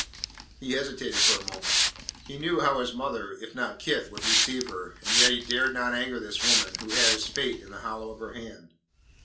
He hesitated for a moment. He knew how his mother, if not Kit, would receive her, and yet he dared not anger this woman, who had his fate in the hollow of her hand.